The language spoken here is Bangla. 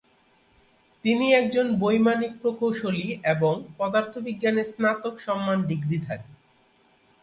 তিনি একজন বৈমানিক প্রকৌশলী এবং পদার্থবিজ্ঞানে স্নাতক সম্মান ডিগ্রিধারী।